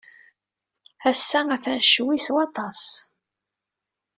Ass-a, atan ccwi s waṭas.